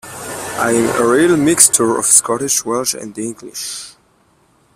I'm a real mixture of Scottish, Welsh, and English.